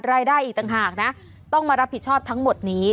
รายได้อีกต่างหากนะต้องมารับผิดชอบทั้งหมดนี้